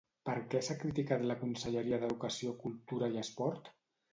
Per què s'ha criticat la Conselleria d'Educació, Cultura i Esport?